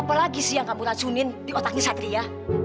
apalagi sih yang kamu racunin di otaknya satria